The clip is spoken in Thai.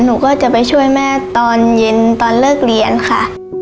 หนูก็จะไปช่วยแม่ตอนเย็นตอนเลิกเรียนค่ะ